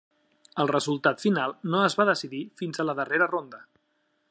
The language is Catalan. El resultat final no es va decidir fins a la darrera ronda.